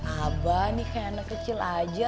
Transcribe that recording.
abah ini kayak anak kecil aja